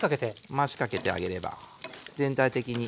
回しかけてあげれば全体的に。